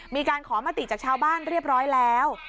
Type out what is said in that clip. มีการขอมติจากชาวบ้านเรียบร้อยแล้ว